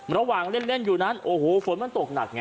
ระหว่างเล่นอยู่นั้นโอ้โหฝนมันตกหนักไง